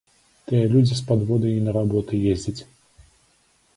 Тыя людзі з падводы і на работы ездзяць.